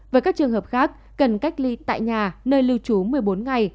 với các trường hợp khác cần cách ly tại nhà nơi lưu trú một mươi bốn ngày